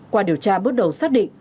qua điều tra bước đầu xác định